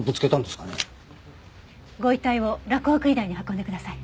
ご遺体を洛北医大に運んでください。